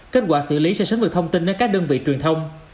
kết quả xử lý sẽ xứng với thông tin đến các đơn vị truyền thông